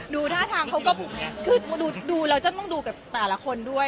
ดูท่าทางเขาก็คือดูเราจะต้องดูกับแต่ละคนด้วย